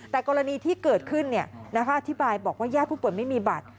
แต่กรณีที่เกิดขึ้นอธิบายบอกว่าญาติผู้ป่วยไม่มีบัตร